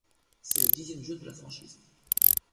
C'est le dixième jeu de la franchise '.